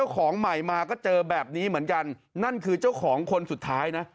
ของใหม่มาก็เจอแบบนี้เหมือนกันนั่นคือเจ้าของคนสุดท้ายนะ